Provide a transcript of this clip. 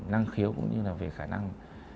năng khiếu cũng như là về khả năng